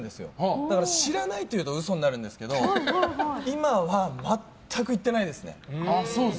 だから知らないと言ったら嘘になるんですけど今は全く行ってないです。